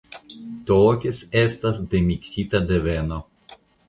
Tookes estas de miksita deveno.